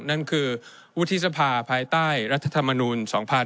นั่นคือวุฒิสภาภายใต้รัฐธรรมนูล๒๕๖๒